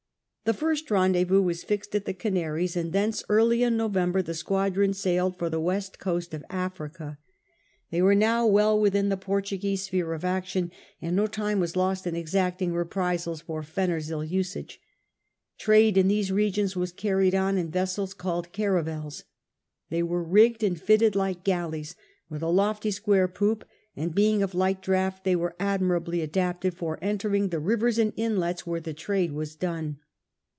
The first rendezvous was fixed at the Canaries, and thence early in November the squadron sailed for the west coast of Africa. They were ^ Memorias de los Corsarios Ingleses ,,. en las Indias, S. P. Spain, 1580, bundle xviii. I SLA VE' TRADING 1 1 now well within the Portuguese sphere of action, and no time was lost in exacting reprisals for Fenner's ill usage. Trade in these regions was carried on in vessels called caravels. They were rigged and fitted like galleys, with a lofty square poop, and being of light draught, they were admirably adapted for entering the rivers and inlets where the trade was done.